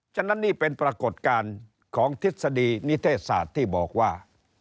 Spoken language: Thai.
ฉะนั้นนี่เป็นปรากฏการณ์ของทฤษฎีนิเทศศาสตร์ที่บอกว่า